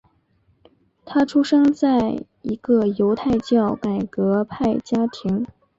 他出生在一个犹太教改革派家庭。